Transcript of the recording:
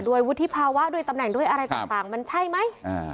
โดยวุฒิภาวะโดยตำแหน่งโดยอะไรต่างมันใช่ไหมอ่า